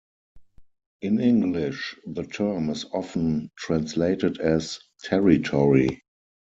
In English the term is often translated as "territory".